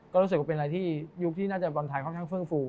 ก็รู้สึกว่าเป็นอะไรที่ยุคนอกจะบรรทัยค่อนข้างเพิ่มฟู